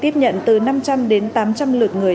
tiếp nhận từ năm trăm linh đến tám trăm linh lượt người